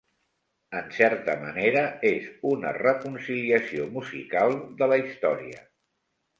En certa manera, és una "reconciliació musical" de la història.